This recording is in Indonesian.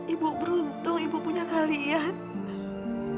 ibu beruntung ibu punya kalian